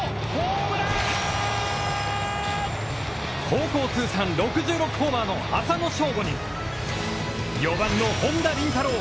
高校通算６６ホーマーの浅野翔吾に４番の本田倫太郎。